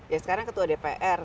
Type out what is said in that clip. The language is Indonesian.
ya sekarang ketua dpr